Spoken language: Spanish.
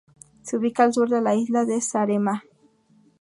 Se ubica al sur de la isla de Saaremaa.